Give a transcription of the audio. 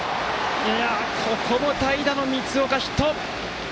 ここも代打の光岡ヒット！